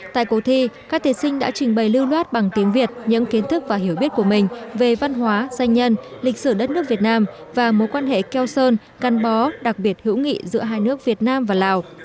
tại cuộc thi các thí sinh đã trình bày lưu loát bằng tiếng việt những kiến thức và hiểu biết của mình về văn hóa danh nhân lịch sử đất nước việt nam và mối quan hệ keo sơn căn bó đặc biệt hữu nghị giữa hai nước việt nam và lào